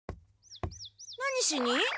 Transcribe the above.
何しに？